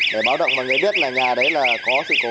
để báo động mọi người biết là nhà đấy có dự cố